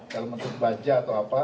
dalam bentuk baja atau apa